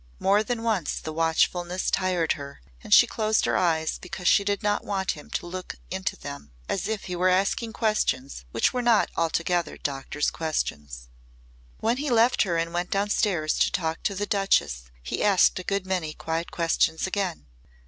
More than once the watchfulness tired her and she closed her eyes because she did not want him to look into them as if he were asking questions which were not altogether doctors' questions. When he left her and went downstairs to talk to the Duchess he asked a good many quiet questions again.